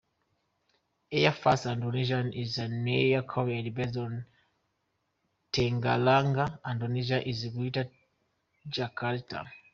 Airfast Indonesia is an air carrier based in Tangerang, Indonesia in Greater Jakarta.